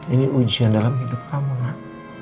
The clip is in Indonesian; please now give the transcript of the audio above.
ini ujian dalam hidup kamu kak